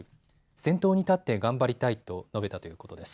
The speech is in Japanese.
先頭に立って頑張りたいと述べたということです。